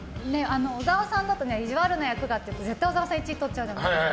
小沢さんだといじわるな役って絶対に小沢さんが１位をとっちゃうじゃないですか。